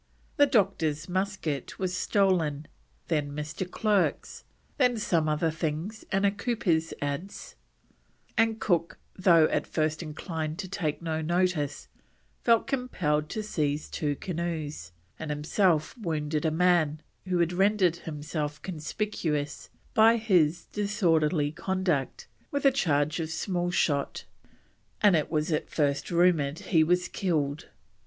The doctor's musket was stolen, then Mr. Clerke's, then some other things and a cooper's adze; and Cook, though at first inclined to take no notice, felt compelled to seize two canoes, and himself wounded a man, who had rendered himself conspicuous by his disorderly conduct, with a charge of small shot, and it was at first rumoured he was killed.